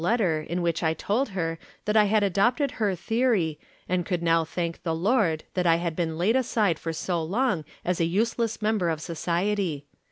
103 letter in which I told her that I had adopted her theory, and could now thank the Lord that I had been laid aside for so long as a useless member of society.